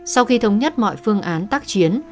sau khi thống nhất mọi phương án tác chiến